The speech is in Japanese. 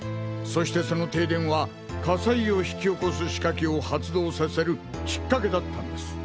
そしてその停電は火災を引き起こす仕掛けを発動させるきっかけだったんです。